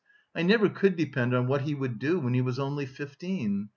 I never could depend on what he would do when he was only fifteen.